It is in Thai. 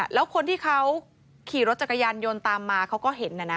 แล้วคนที่เขาขี่รถจักรยานยนต์ตามมาเขาก็เห็น